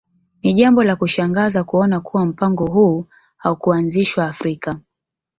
Ni jambo la kushangaza kuona kuwa mpango huu haukuanzishwa Afrika